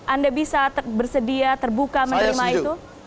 anda bisa bersedia terbuka menerima itu